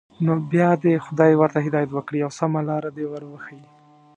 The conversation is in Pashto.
نو بیا دې خدای ورته هدایت وکړي او سمه لاره دې ور وښيي.